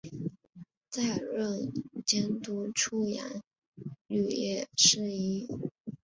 再任监督出洋肄业事宜。